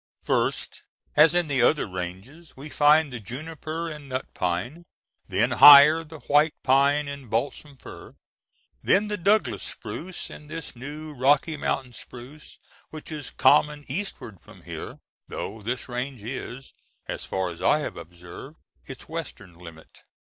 First, as in the other ranges, we find the juniper and nut pine; then, higher, the white pine and balsam fir; then the Douglas spruce and this new Rocky Mountain spruce, which is common eastward from here, though this range is, as far as I have observed, its western limit.